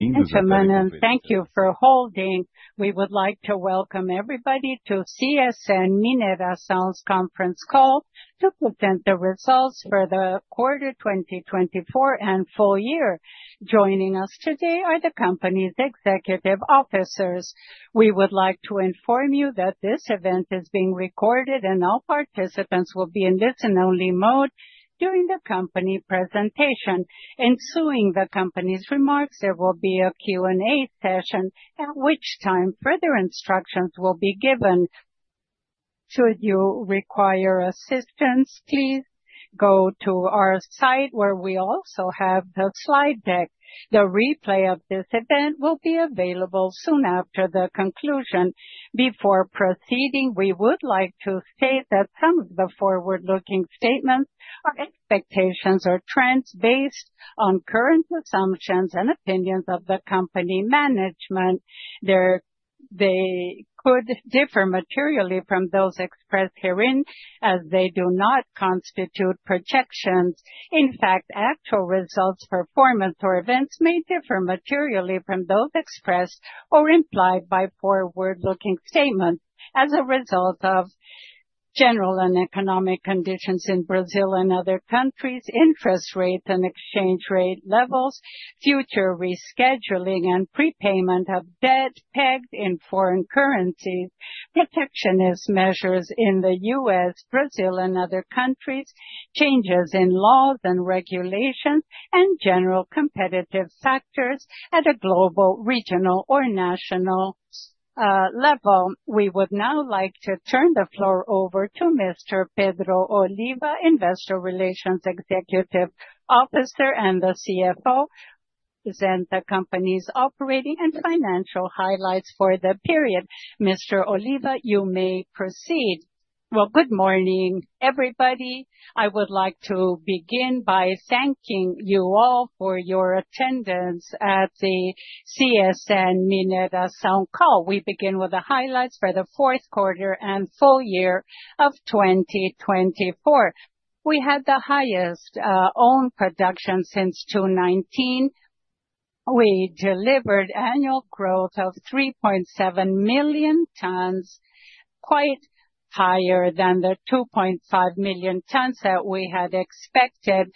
Thank you for holding. We would like to Welcome Everybody to CSN Mineração's Conference Call to present the results for the quarter 2024 and full year. Joining us today are the company's executive officers. We would like to inform you that this event is being recorded, and all participants will be in listen-only mode during the company presentation. Ensuing the company's remarks, there will be a Q&A session, at which time further instructions will be given. Should you require assistance, please go to our site, where we also have the slide deck. The replay of this event will be available soon after the conclusion. Before proceeding, we would like to state that some of the forward-looking statements are expectations or trends based on current assumptions and opinions of the company management. They could differ materially from those expressed herein as they do not constitute projections. In fact, actual results, performance, or events may differ materially from those expressed or implied by forward-looking statements. As a result of general and economic conditions in Brazil and other countries, interest rates and exchange rate levels, future rescheduling and prepayment of debt pegged in foreign currencies, protectionist measures in the U.S., Brazil, and other countries, changes in laws and regulations, and general competitive factors at a global, regional, or national level, we would now like to turn the floor over to Mr. Pedro Oliva, Investor Relations Executive Officer and the CFO, to present the company's operating and financial highlights for the period. Mr. Oliva, you may proceed. Good morning, everybody. I would like to begin by thanking you all for your attendance at the CSN Mineração call. We begin with the highlights for the fourth quarter and full year of 2024. We had the highest own production since 2019. We delivered annual growth of 3.7 million tons, quite higher than the 2.5 million tons that we had expected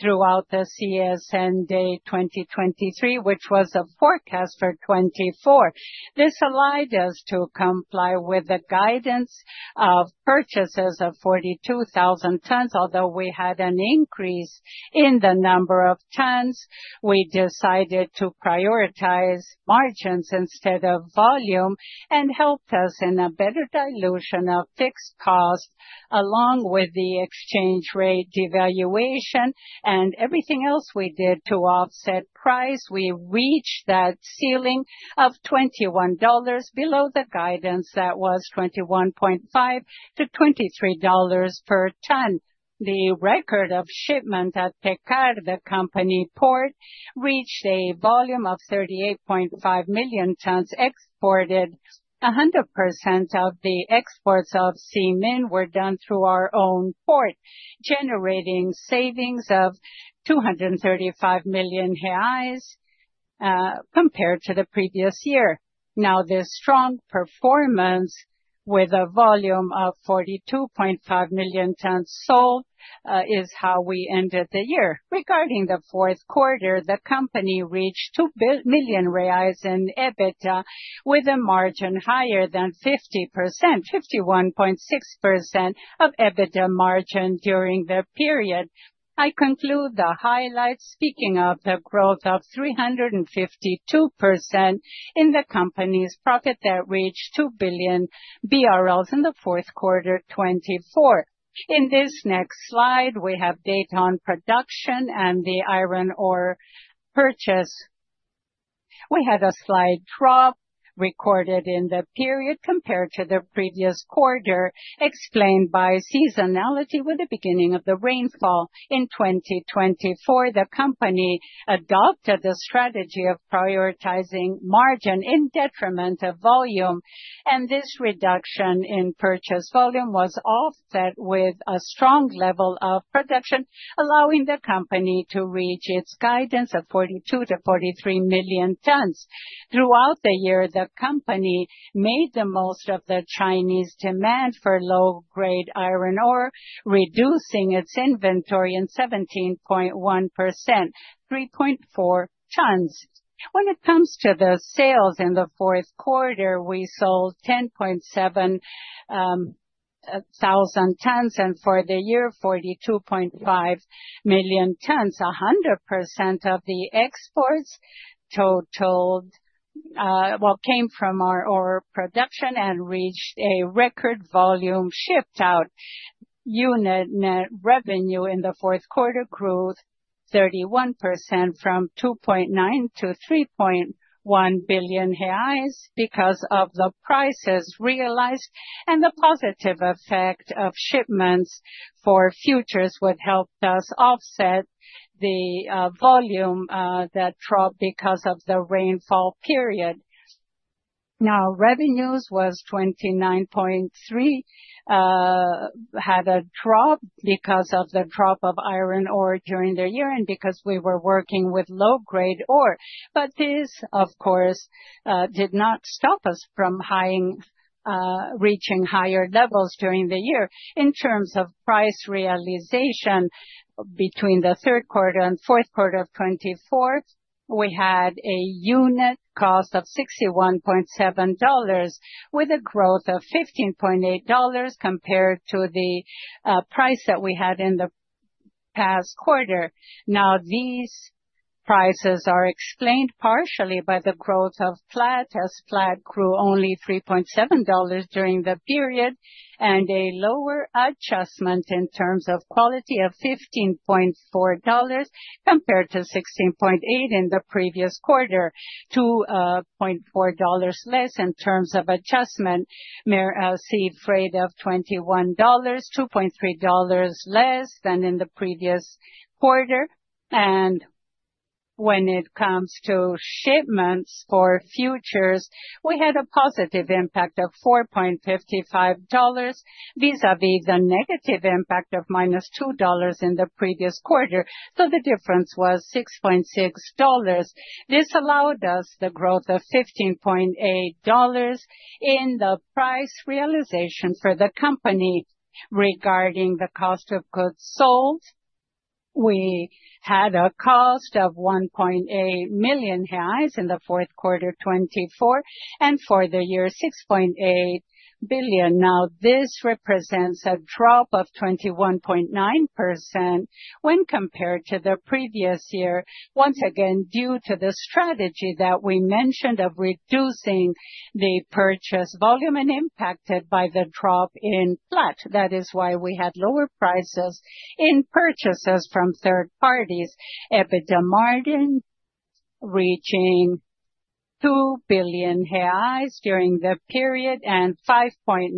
throughout the CSN Day 2023, which was a forecast for 2024. This allowed us to comply with the guidance of purchases of 42,000 tons, although we had an increase in the number of tons. We decided to prioritize margins instead of volume and helped us in a better dilution of fixed costs, along with the exchange rate devaluation and everything else we did to offset price. We reached that ceiling of $21, below the guidance that was $21.5-$23 per ton. The record of shipment at Pecar, the company port, reached a volume of 38.5 million tons exported. 100% of the exports of CSN Mineração were done through our own port, generating savings of 235 million reais compared to the previous year. Now, this strong performance with a volume of 42.5 million tons sold is how we ended the year. Regarding the fourth quarter, the company reached 2 billion reais in EBITDA, with a margin higher than 50%, 51.6% of EBITDA margin during the period. I conclude the highlights speaking of the growth of 352% in the company's profit that reached 2 billion BRL in the fourth quarter 2024. In this next slide, we have data on production and the iron ore purchase. We had a slight drop recorded in the period compared to the previous quarter, explained by seasonality with the beginning of the rainfall. In 2024, the company adopted the strategy of prioritizing margin in detriment of volume, and this reduction in purchase volume was offset with a strong level of production, allowing the company to reach its guidance of 42-43 million tons. Throughout the year, the company made the most of the Chinese demand for low-grade iron ore, reducing its inventory by 17.1%, 3.4 million tons. When it comes to the sales in the fourth quarter, we sold 10.7 million tons and for the year, 42.5 million tons. 100% of the exports totaled, well, came from our ore production and reached a record volume shipped out. Unit net revenue in the fourth quarter grew 31% from 2.9 billion to 3.1 billion reais because of the prices realized, and the positive effect of shipments for futures would help us offset the volume that dropped because of the rainfall period. Now, revenues were 29.3 billion, had a drop because of the drop of iron ore during the year and because we were working with low-grade ore. This, of course, did not stop us from reaching higher levels during the year. In terms of price realization, between the third quarter and fourth quarter of 2024, we had a unit cost of $61.7 with a growth of $15.8 compared to the price that we had in the past quarter. Now, these prices are explained partially by the growth of flat as flat grew only $3.7 during the period and a lower adjustment in terms of quality of $15.4 compared to $16.8 in the previous quarter, $2.4 less in terms of adjustment, sea freight of $21, $2.3 less than in the previous quarter. When it comes to shipments for futures, we had a positive impact of $4.55 vis-à-vis the negative impact of minus $2 in the previous quarter. The difference was $6.6. This allowed us the growth of $15.8 in the price realization for the company. Regarding the cost of goods sold, we had a cost of 1.8 million reais in the fourth quarter 2024 and for the year, 6.8 billion. Now, this represents a drop of 21.9% when compared to the previous year, once again due to the strategy that we mentioned of reducing the purchase volume and impacted by the drop in flat. That is why we had lower prices in purchases from third parties. EBITDA margin reaching 2 billion reais during the period and 5.9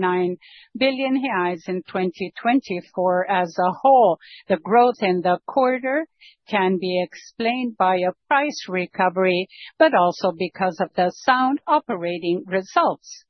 billion reais in 2024 as a whole. The growth in the quarter can be explained by a price recovery, but also because of the sound operating results.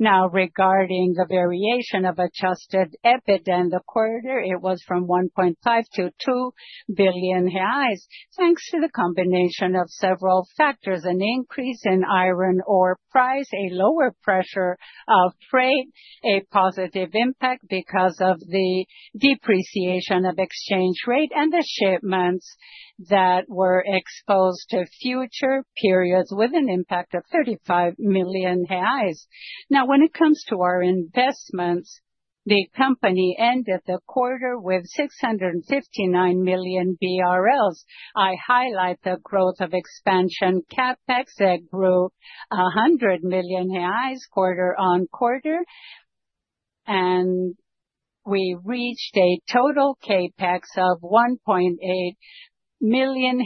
Now, regarding the variation of adjusted EBITDA in the quarter, it was from 1.5 billion to 2 billion reais, thanks to the combination of several factors: an increase in iron ore price, a lower pressure of freight, a positive impact because of the depreciation of exchange rate, and the shipments that were exposed to future periods with an impact of 35 million reais. Now, when it comes to our investments, the company ended the quarter with 659 million BRL. I highlight the growth of expansion CAPEX that grew 100 million reais quarter on quarter, and we reached a total CAPEX of 1.8 billion,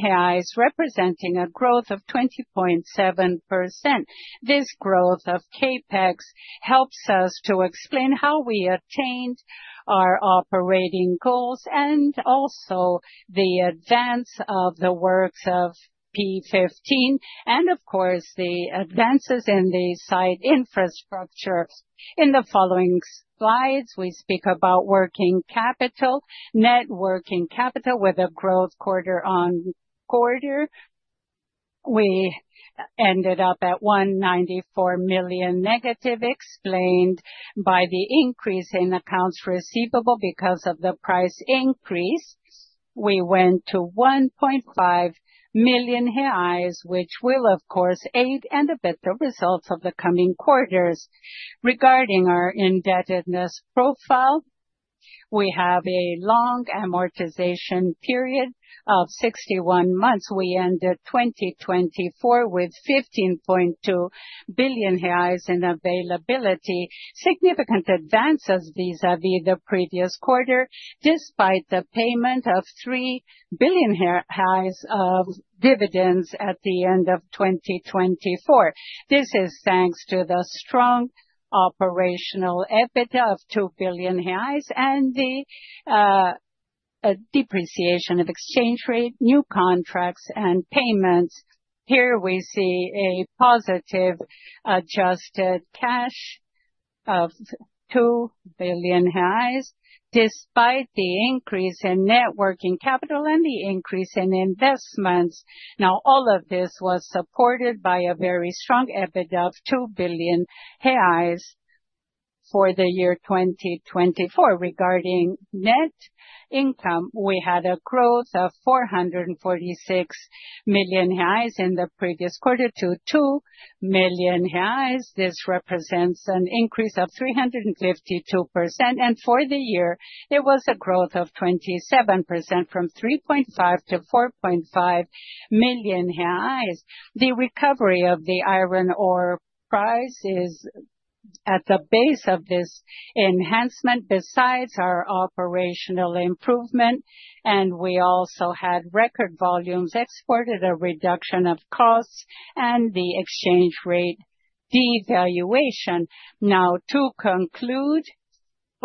representing a growth of 20.7%. This growth of CAPEX helps us to explain how we attained our operating goals and also the advance of the works of P15 and, of course, the advances in the site infrastructure. In the following slides, we speak about working capital, net working capital with a growth quarter on quarter. We ended up at 194 million negative, explained by the increase in accounts receivable because of the price increase. We went to 1.5 million reais, which will, of course, aid and affect the results of the coming quarters. Regarding our indebtedness profile, we have a long amortization period of 61 months. We ended 2024 with 15.2 billion reais in availability, significant advances vis-à-vis the previous quarter, despite the payment of 3 billion of dividends at the end of 2024. This is thanks to the strong operational EBITDA of 2 billion reais and the depreciation of exchange rate, new contracts, and payments. Here we see a positive adjusted cash of 2 billion reais, despite the increase in net working capital and the increase in investments. Now, all of this was supported by a very strong EBITDA of 2 billion reais for the year 2024. Regarding net income, we had a growth of 446 million reais in the previous quarter to 2 million reais. This represents an increase of 352%, and for the year, it was a growth of 27% from 3.5 million to 4.5 million. The recovery of the iron ore price is at the base of this enhancement, besides our operational improvement, and we also had record volumes exported, a reduction of costs, and the exchange rate devaluation. Now, to conclude,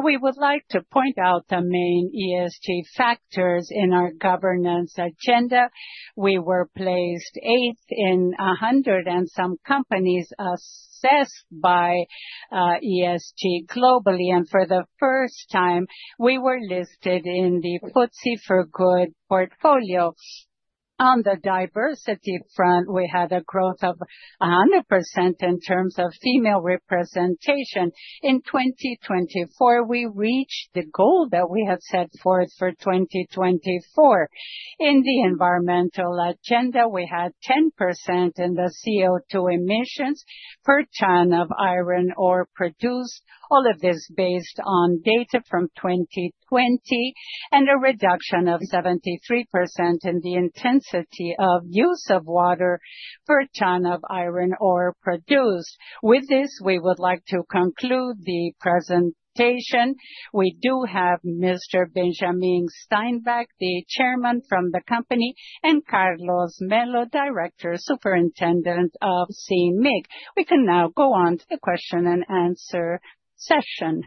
we would like to point out the main ESG factors in our governance agenda. We were placed eighth in 100 and some companies assessed by ESG globally, and for the first time, we were listed in the FTSE4Good portfolio. On the diversity front, we had a growth of 100% in terms of female representation. In 2024, we reached the goal that we had set forth for 2024. In the environmental agenda, we had 10% in the CO2 emissions per ton of iron ore produced. All of this based on data from 2020 and a reduction of 73% in the intensity of use of water per ton of iron ore produced. With this, we would like to conclude the presentation. We do have Mr. Benjamin Steinbruch, the Chairman from the company, and Carlos Melo, Director Superintendent of CMIN. We can now go on to the question and answer session.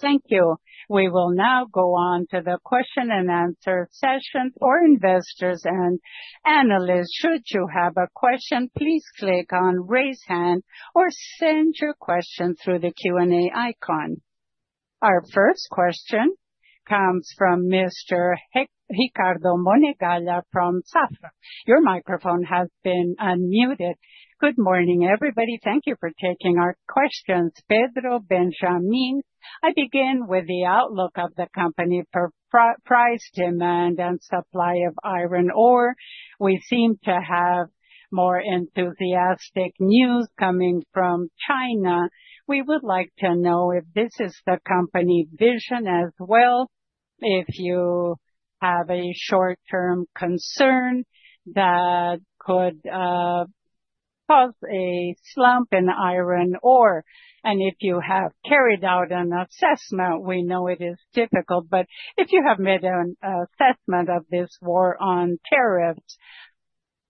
Thank you. We will now go on to the question and answer session. For investors and analysts, should you have a question, please click on "Raise Hand" or send your question through the Q&A icon. Our first question comes from Mr. Ricardo Monegaglia from Safra. Your microphone has been unmuted. Good morning, everybody. Thank you for taking our questions. Pedro, Benjamin, I begin with the outlook of the company for price, demand, and supply of iron ore. We seem to have more enthusiastic news coming from China. We would like to know if this is the company vision as well, if you have a short-term concern that could cause a slump in iron ore. If you have carried out an assessment, we know it is difficult, but if you have made an assessment of this war on tariffs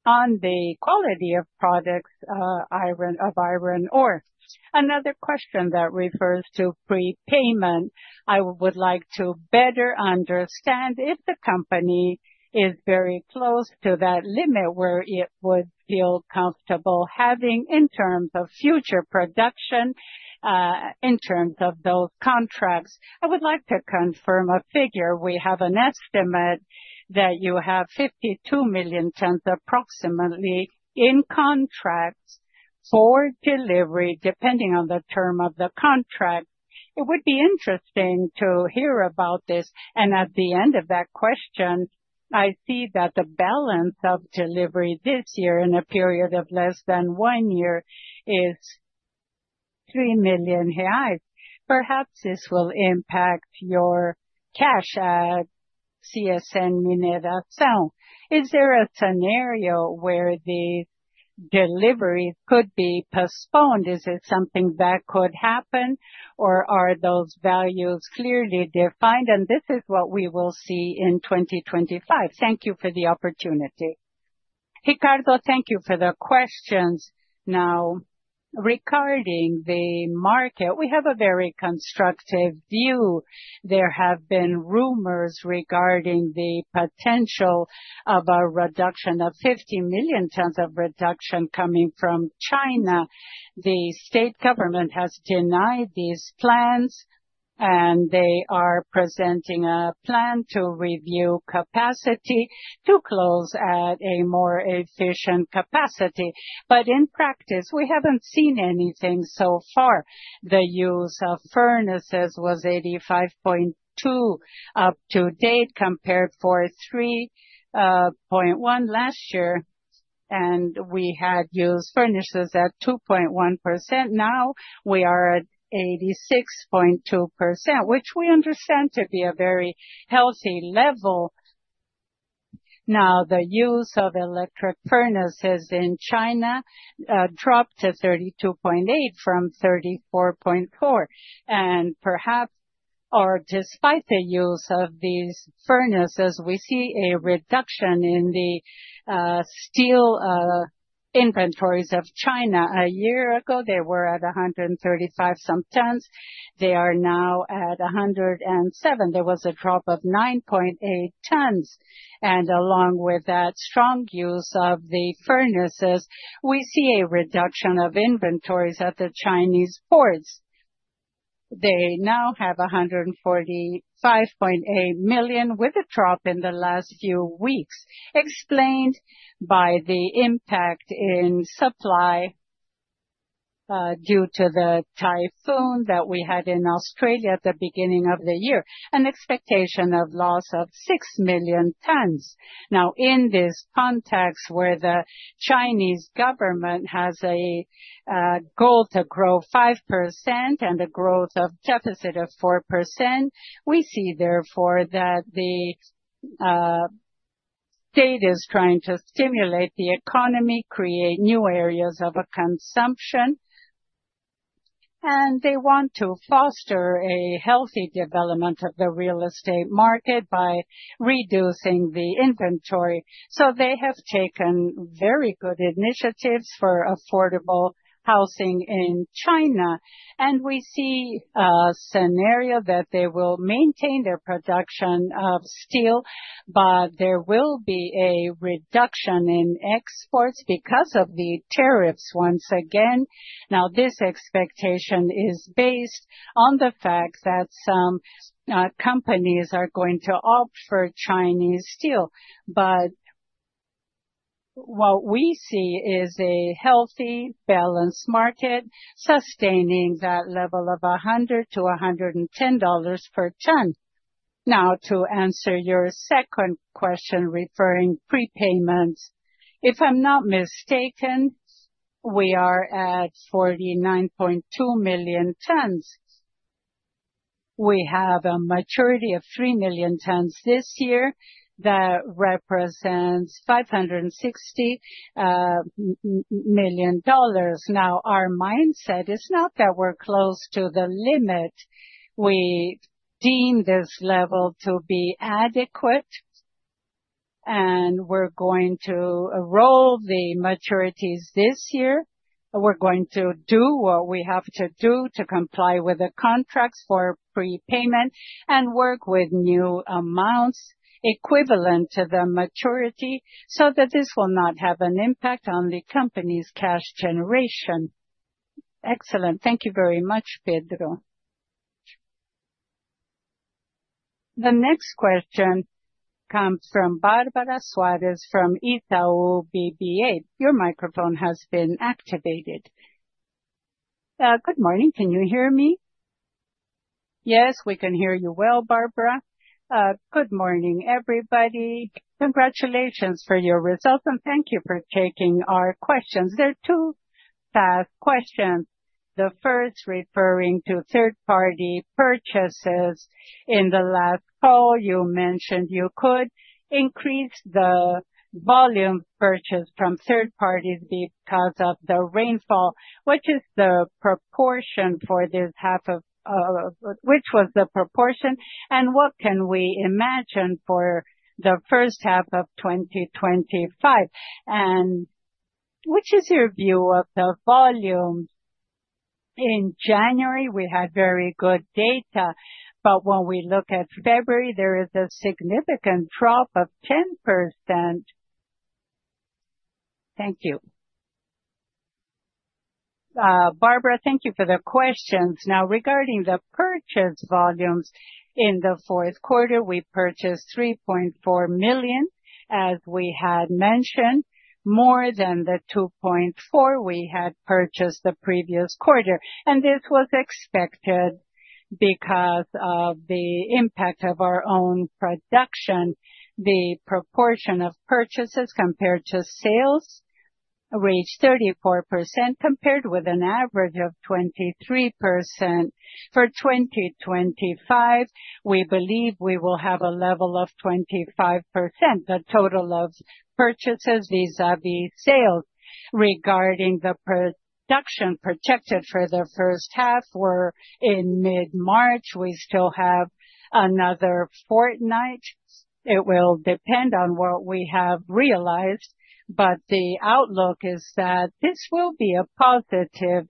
on the quality of products of iron ore. Another question that refers to prepayment, I would like to better understand if the company is very close to that limit where it would feel comfortable having in terms of future production, in terms of those contracts. I would like to confirm a figure. We have an estimate that you have 52 million tons approximately in contracts for delivery, depending on the term of the contract. It would be interesting to hear about this. At the end of that question, I see that the balance of delivery this year in a period of less than one year is 3 million reais. Perhaps this will impact your cash at CSN Mineração. Is there a scenario where the delivery could be postponed? Is it something that could happen, or are those values clearly defined? This is what we will see in 2025. Thank you for the opportunity. Ricardo, thank you for the questions. Now, regarding the market, we have a very constructive view. There have been rumors regarding the potential of a reduction of 50 million tons of reduction coming from China. The state government has denied these plans, and they are presenting a plan to review capacity to close at a more efficient capacity. In practice, we have not seen anything so far. The use of furnaces was 85.2% up to date compared to 3.1% last year, and we had used furnaces at 2.1%. Now we are at 86.2%, which we understand to be a very healthy level. The use of electric furnaces in China dropped to 32.8% from 34.4%. Perhaps, or despite the use of these furnaces, we see a reduction in the steel inventories of China. A year ago, they were at 135 some tons. They are now at 107. There was a drop of 9.8 tons. Along with that strong use of the furnaces, we see a reduction of inventories at the Chinese ports. They now have 145.8 million with a drop in the last few weeks, explained by the impact in supply due to the typhoon that we had in Australia at the beginning of the year, an expectation of loss of 6 million tons. Now, in this context where the Chinese government has a goal to grow 5% and a growth of deficit of 4%, we see therefore that the state is trying to stimulate the economy, create new areas of consumption, and they want to foster a healthy development of the real estate market by reducing the inventory. They have taken very good initiatives for affordable housing in China. We see a scenario that they will maintain their production of steel, but there will be a reduction in exports because of the tariffs once again. Now, this expectation is based on the fact that some companies are going to opt for Chinese steel. What we see is a healthy, balanced market sustaining that level of $100-$110 per ton. To answer your second question referring to prepayments, if I'm not mistaken, we are at 49.2 million tons. We have a maturity of 3 million tons this year that represents $560 million. Our mindset is not that we're close to the limit. We deem this level to be adequate, and we're going to roll the maturities this year. We're going to do what we have to do to comply with the contracts for prepayment and work with new amounts equivalent to the maturity so that this will not have an impact on the company's cash generation. Excellent. Thank you very much, Pedro. The next question comes from Bárbara Soares from Itaú BBA. Your microphone has been activated. Good morning. Can you hear me? Yes, we can hear you well, Barbara. Good morning, everybody. Congratulations for your results, and thank you for taking our questions. There are two questions. The first referring to third-party purchases. In the last call, you mentioned you could increase the volume purchase from third parties because of the rainfall. What is the proportion for this half of which was the proportion, and what can we imagine for the first half of 2025? What is your view of the volume? In January, we had very good data, but when we look at February, there is a significant drop of 10%. Thank you. Barbara, thank you for the questions. Now, regarding the purchase volumes, in the fourth quarter, we purchased 3.4 million, as we had mentioned, more than the 2.4 we had purchased the previous quarter. This was expected because of the impact of our own production. The proportion of purchases compared to sales reached 34%, compared with an average of 23%. For 2025, we believe we will have a level of 25%, the total of purchases vis-à-vis sales. Regarding the production projected for the first half, we're in mid-March. We still have another fortnight. It will depend on what we have realized, but the outlook is that this will be a positive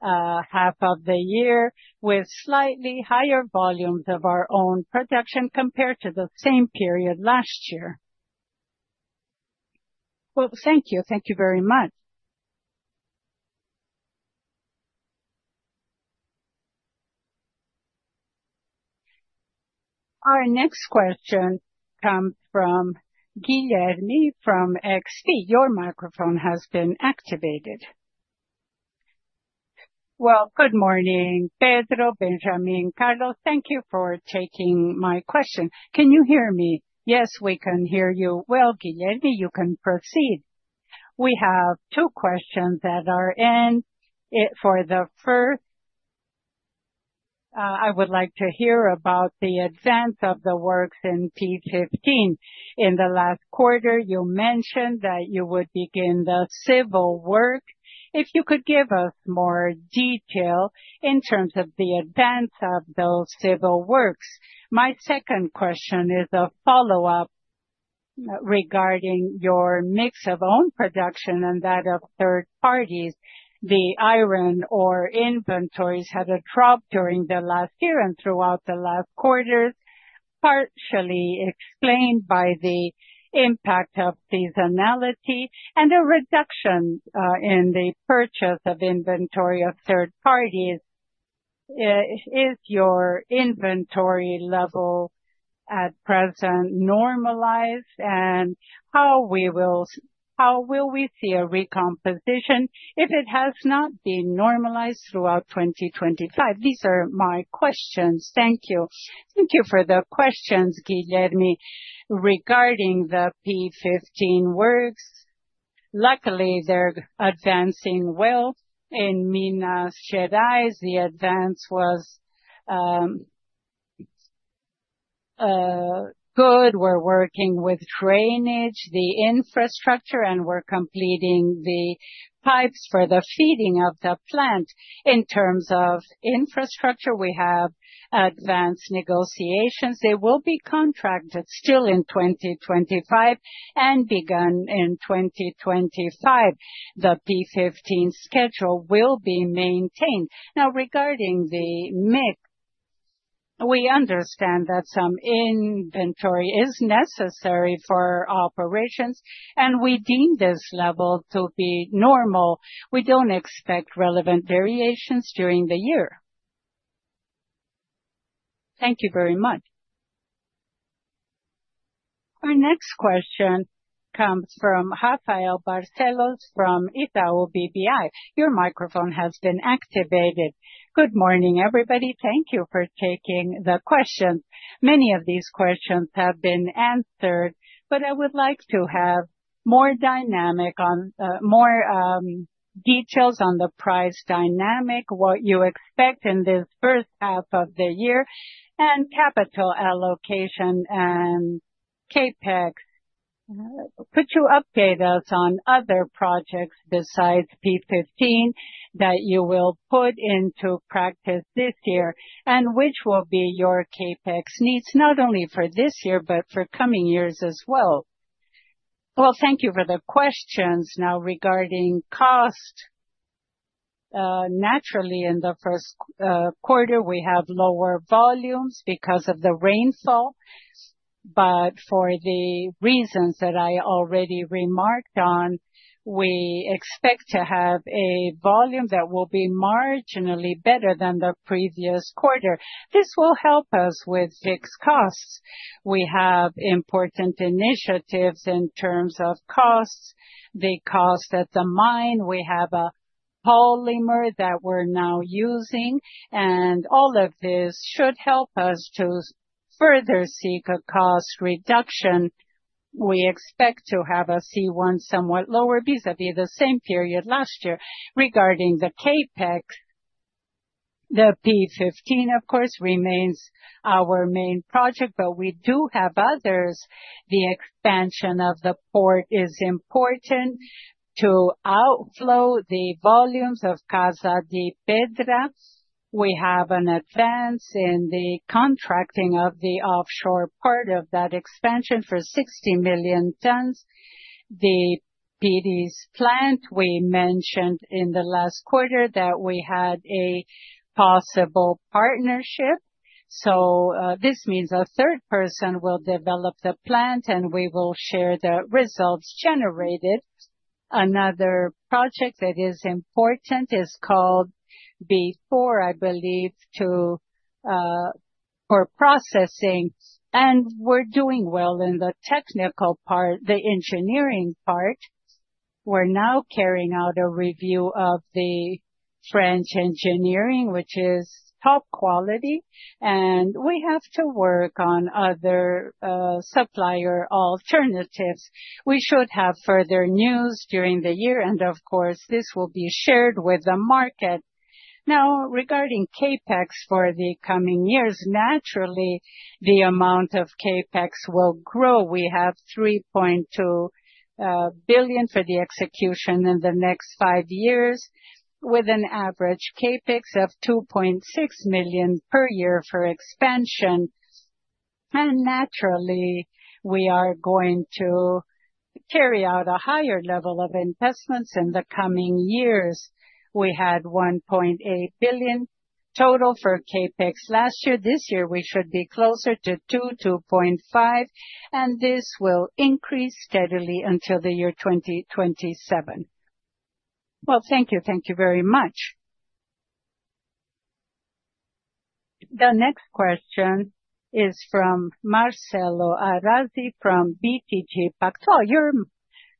half of the year with slightly higher volumes of our own production compared to the same period last year. Thank you. Thank you very much. Our next question comes from Guilherme from XP. Your microphone has been activated. Good morning, Pedro, Benjamin, Carlos. Thank you for taking my question. Can you hear me? Yes, we can hear you well. Guilherme, you can proceed. We have two questions that are in for the first. I would like to hear about the advance of the works in T15. In the last quarter, you mentioned that you would begin the civil work. If you could give us more detail in terms of the advance of those civil works. My second question is a follow-up regarding your mix of own production and that of third parties. The iron ore inventories had a drop during the last year and throughout the last quarters, partially explained by the impact of seasonality and a reduction in the purchase of inventory of third parties. Is your inventory level at present normalized? How will we see a recomposition if it has not been normalized throughout 2025? These are my questions. Thank you. Thank you for the questions, Guilherme, regarding the P15 works. Luckily, they're advancing well. In Minas Gerais, the advance was good. We're working with drainage, the infrastructure, and we're completing the pipes for the feeding of the plant. In terms of infrastructure, we have advanced negotiations. They will be contracted still in 2025 and begun in 2025. The P15 schedule will be maintained. Now, regarding the MIC, we understand that some inventory is necessary for operations, and we deem this level to be normal. We don't expect relevant variations during the year. Thank you very much. Our next question comes from Rafael Barcellos from Itaú BBI. Your microphone has been activated. Good morning, everybody. Thank you for taking the questions. Many of these questions have been answered, but I would like to have more details on the price dynamic, what you expect in this first half of the year, and capital allocation and CAPEX. Could you update us on other projects besides P15 that you will put into practice this year and which will be your CAPEX needs, not only for this year, but for coming years as well? Thank you for the questions. Now, regarding cost, naturally, in the first quarter, we have lower volumes because of the rainfall. For the reasons that I already remarked on, we expect to have a volume that will be marginally better than the previous quarter. This will help us with fixed costs. We have important initiatives in terms of costs, the cost at the mine. We have a polymer that we're now using, and all of this should help us to further seek a cost reduction. We expect to have a C1 somewhat lower vis-à-vis the same period last year. Regarding the CAPEX, the P15, of course, remains our main project, but we do have others. The expansion of the port is important to outflow the volumes of Casa de Pedra. We have an advance in the contracting of the offshore part of that expansion for 60 million tons. The PD's plant, we mentioned in the last quarter that we had a possible partnership. This means a third person will develop the plant, and we will share the results generated. Another project that is important is called B4, I believe, for processing. We are doing well in the technical part, the engineering part. We're now carrying out a review of the French engineering, which is top quality. We have to work on other supplier alternatives. We should have further news during the year, and of course, this will be shared with the market. Now, regarding CAPEX for the coming years, naturally, the amount of CAPEX will grow. We have 3.2 billion for the execution in the next five years, with an average CAPEX of 2.6 million per year for expansion. Naturally, we are going to carry out a higher level of investments in the coming years. We had 1.8 billion total for CAPEX last year. This year, we should be closer to 2 billion, 2.5 billion, and this will increase steadily until the year 2027. Thank you. Thank you very much. The next question is from Marcelo Arazi from BTG Pactual. Your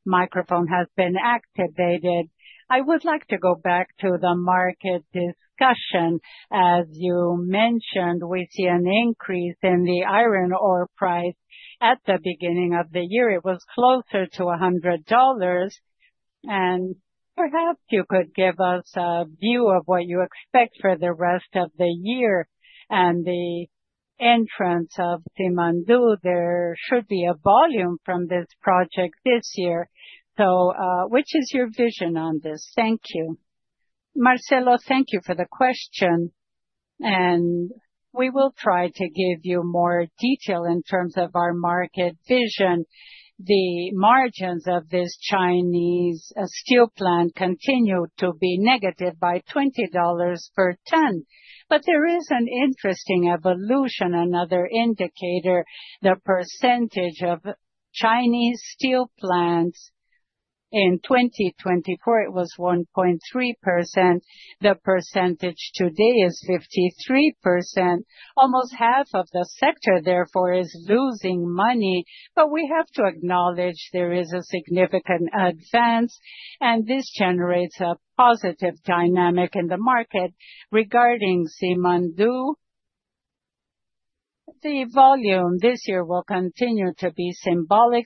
microphone has been activated. I would like to go back to the market discussion. As you mentioned, we see an increase in the iron ore price. At the beginning of the year, it was closer to $100. Perhaps you could give us a view of what you expect for the rest of the year and the entrance of Simandou. There should be a volume from this project this year. Which is your vision on this? Thank you. Marcelo, thank you for the question. We will try to give you more detail in terms of our market vision. The margins of this Chinese steel plant continue to be negative by $20 per ton. There is an interesting evolution, another indicator. The percentage of Chinese steel plants in 2024, it was 1.3%. The percentage today is 53%. Almost half of the sector, therefore, is losing money. We have to acknowledge there is a significant advance, and this generates a positive dynamic in the market. Regarding Simandou, the volume this year will continue to be symbolic.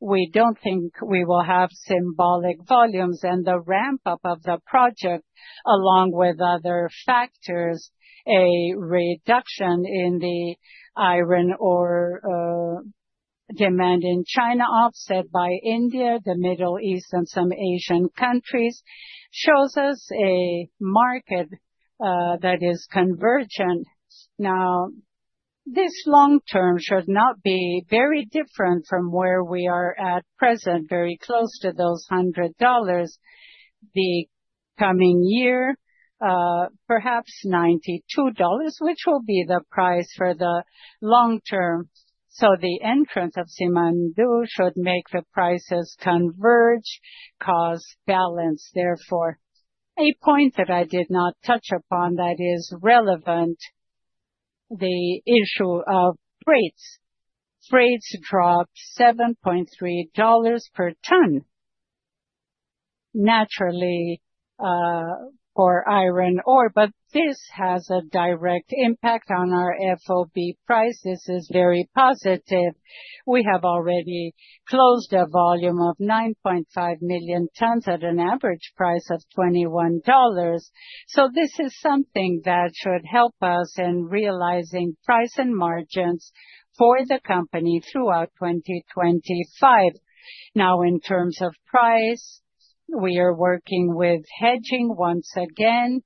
We don't think we will have symbolic volumes. The ramp-up of the project, along with other factors, a reduction in the iron ore demand in China, offset by India, the Middle East, and some Asian countries, shows us a market that is convergent. Now, this long-term should not be very different from where we are at present, very close to those $100. The coming year, perhaps $92, which will be the price for the long-term. The entrance of Simandou should make the prices converge, cost balance, therefore. A point that I did not touch upon that is relevant, the issue of freights. Freights dropped $7.3 per ton, naturally, for iron ore, but this has a direct impact on our FOB price. This is very positive. We have already closed a volume of 9.5 million tons at an average price of $21. This is something that should help us in realizing price and margins for the company throughout 2025. Now, in terms of price, we are working with hedging once again,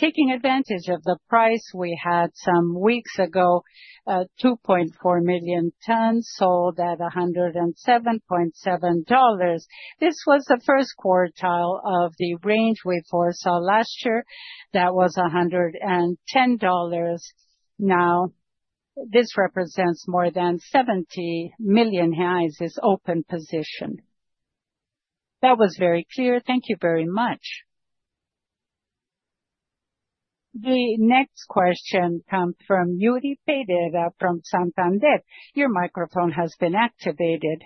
taking advantage of the price we had some weeks ago, 2.4 million tons sold at $107.7. This was the first quartile of the range we foresaw last year. That was $110. This represents more than $70 million in this open position. That was very clear. Thank you very much. The next question comes from Yuri Pereira from Santander. Your microphone has been activated.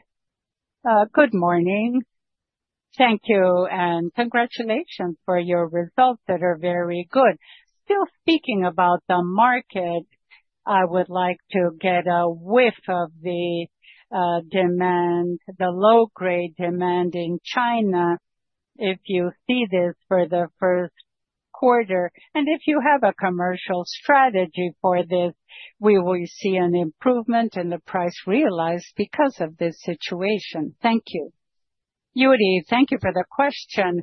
Good morning. Thank you and congratulations for your results that are very good. Still speaking about the market, I would like to get a whiff of the demand, the low-grade demand in China, if you see this for the first quarter. And if you have a commercial strategy for this, we will see an improvement in the price realized because of this situation. Thank you. Yuri, thank you for the question.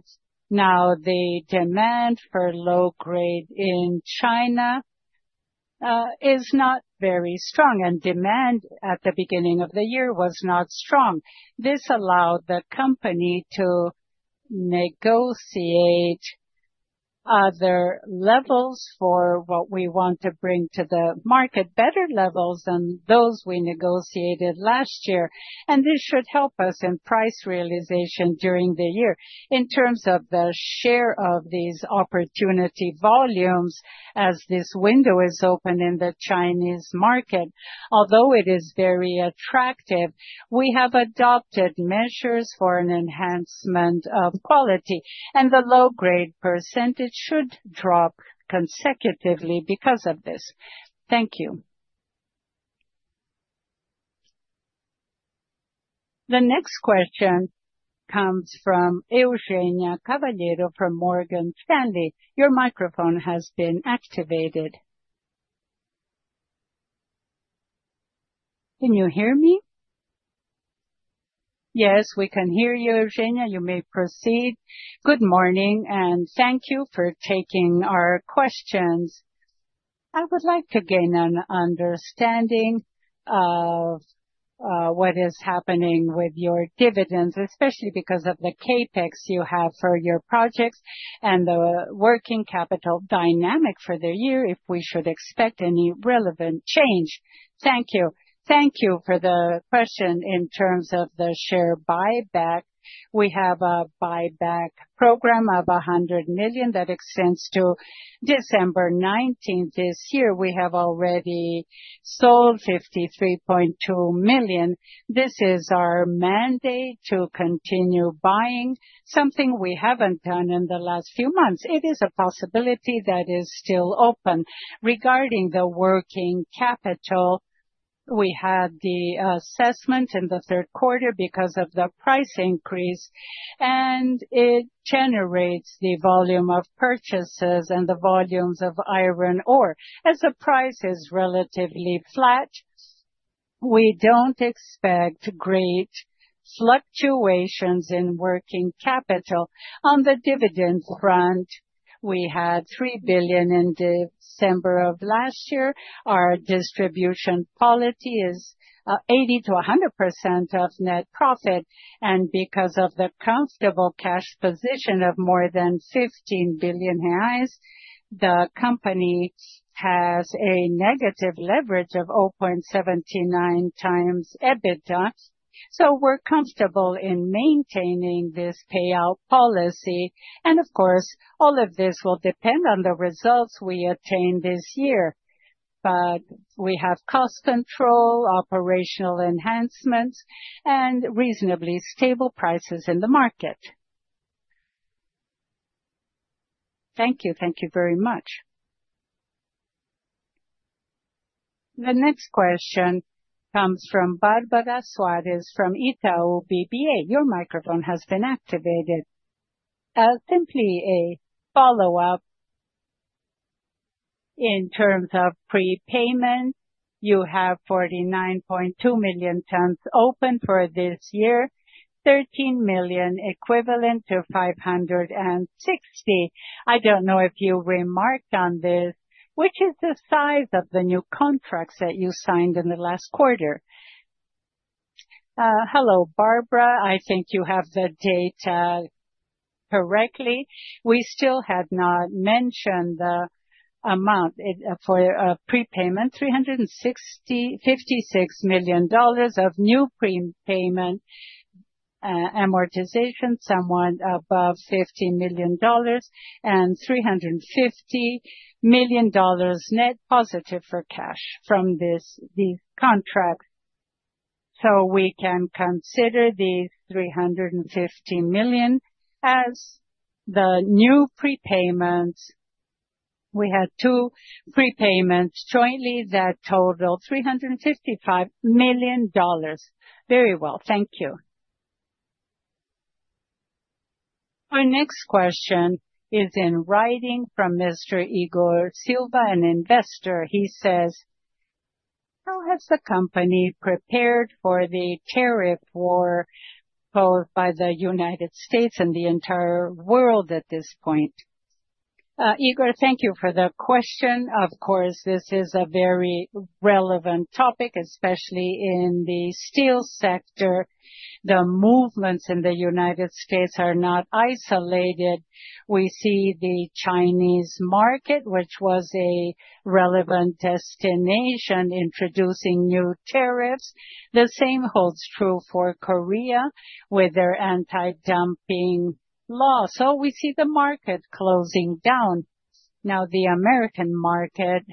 Now, the demand for low-grade in China is not very strong, and demand at the beginning of the year was not strong. This allowed the company to negotiate other levels for what we want to bring to the market, better levels than those we negotiated last year. This should help us in price realization during the year. In terms of the share of these opportunity volumes, as this window is open in the Chinese market, although it is very attractive, we have adopted measures for an enhancement of quality. The low-grade percentage should drop consecutively because of this. Thank you. The next question comes from Eugenia Caballero from Morgan Stanley. Your microphone has been activated. Can you hear me? Yes, we can hear you, Eugenia. You may proceed. Good morning and thank you for taking our questions. I would like to gain an understanding of what is happening with your dividends, especially because of the CapEx you have for your projects and the working capital dynamic for the year, if we should expect any relevant change. Thank you. Thank you for the question in terms of the share buyback. We have a buyback program of 100 million that extends to December 19th this year. We have already sold 53.2 million. This is our mandate to continue buying, something we have not done in the last few months. It is a possibility that is still open. Regarding the working capital, we had the assessment in the third quarter because of the price increase, and it generates the volume of purchases and the volumes of iron ore. As the price is relatively flat, we do not expect great fluctuations in working capital. On the dividend front, we had 3 billion in December of last year. Our distribution policy is 80-100% of net profit. Because of the comfortable cash position of more than 15 billion reais, the company has a negative leverage of 0.79 times EBITDA. We are comfortable in maintaining this payout policy. Of course, all of this will depend on the results we attain this year. We have cost control, operational enhancements, and reasonably stable prices in the market. Thank you. Thank you very much. The next question comes from Bárbara Soares from Itaú BBA. Your microphone has been activated. Simply a follow-up. In terms of prepayment, you have 49.2 million tons open for this year, 13 million equivalent to 560. I don't know if you remarked on this, which is the size of the new contracts that you signed in the last quarter. Hello, Barbara. I think you have the data correctly. We still had not mentioned the amount for prepayment, $356 million of new prepayment amortization, somewhat above $15 million and $350 million net positive for cash from these contracts. So we can consider the $350 million as the new prepayments. We had two prepayments jointly that totaled $355 million. Very well. Thank you. Our next question is in writing from Mr. Igor Silva, an investor. He says, how has the company prepared for the tariff war, both by the United States and the entire world at this point? Igor, thank you for the question. Of course, this is a very relevant topic, especially in the steel sector. The movements in the U.S. are not isolated. We see the Chinese market, which was a relevant destination, introducing new tariffs. The same holds true for Korea with their anti-dumping law. We see the market closing down. Now, the American market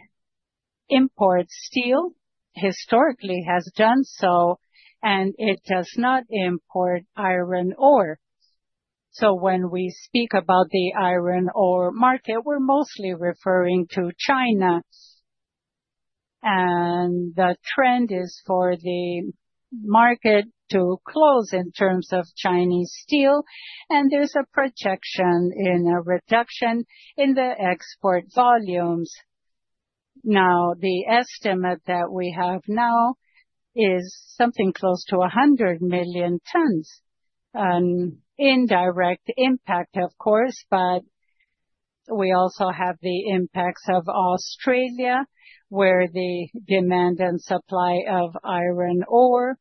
imports steel, historically has done so, and it does not import iron ore. When we speak about the iron ore market, we're mostly referring to China. The trend is for the market to close in terms of Chinese steel. There is a projection in a reduction in the export volumes. The estimate that we have now is something close to 100 million tons. An indirect impact, of course, but we also have the impacts of Australia, where the demand and supply of iron ore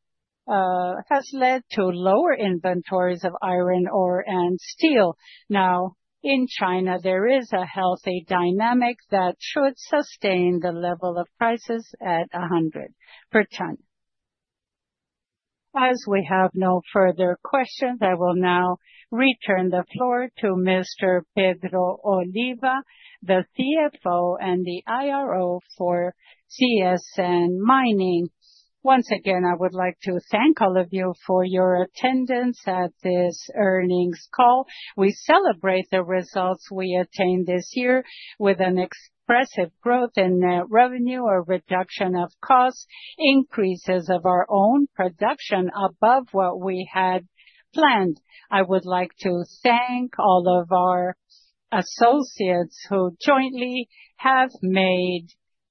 has led to lower inventories of iron ore and steel. Now, in China, there is a healthy dynamic that should sustain the level of prices at $100 per ton. As we have no further questions, I will now return the floor to Mr. Pedro Oliva, the CFO and the IRO for CSN Mineração. Once again, I would like to thank all of you for your attendance at this earnings call. We celebrate the results we attained this year with an expressive growth in net revenue, a reduction of costs, increases of our own production above what we had planned. I would like to thank all of our associates who jointly have made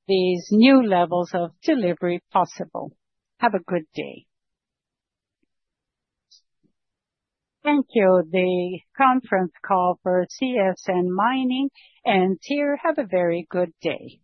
these new levels of delivery possible. Have a good day. Thank you. The conference call for CSN Mining and TIR, have a very good day.